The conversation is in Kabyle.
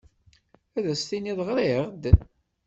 Ad as-tinid ɣriɣ-d?